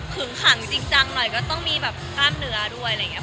ขังจริงจังหน่อยก็ต้องมีแบบกล้ามเนื้อด้วยอะไรอย่างนี้